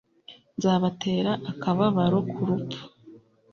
nzabatera akababaro k’urupfu,